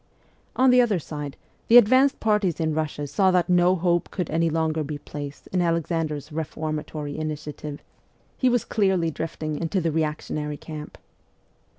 On the other side, the advanced parties in Russia saw that no hope could any longer be placed in Alexander's reformatory initiative : he was clearly 192 MEMOIRS OF A REVOLUTIONIST drifting into the reactionary camp.